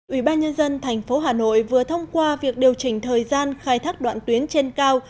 ủy ban nhân dân tp hà nội vừa thông qua việc điều chỉnh thời gian khai thác đoạn tuyến trên cao